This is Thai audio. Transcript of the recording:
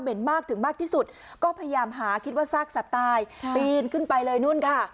มากถึงมากที่สุดก็พยายามหาคิดว่าซากสัตว์ตายปีนขึ้นไปเลยนู่นค่ะ